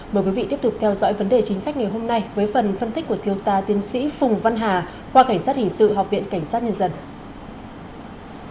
mời quý vị tiếp tục theo dõi vấn đề chính sách ngày hôm nay với phần phân tích của thiếu tá tiến sĩ phùng văn hà qua cảnh sát hình sự học viện cảnh sát nhân dân